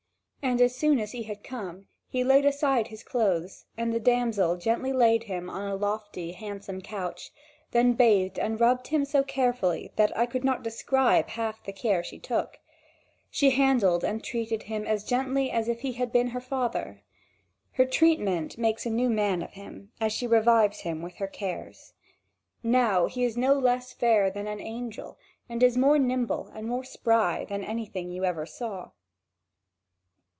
And as soon as he had come, and had laid aside his clothes, the damsel gently laid him on a lofty, handsome couch, then bathed and rubbed him so carefully that I could not describe half the care she took. She handled and treated him as gently as if he had been her father. Her treatment makes a new man of him, as she revives him with her cares. Now he is no less fair than an angel and is more nimble and more spry than anything you ever saw.